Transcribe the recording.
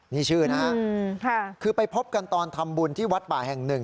นี่ชื่อนะฮะคือไปพบกันตอนทำบุญที่วัดป่าแห่งหนึ่ง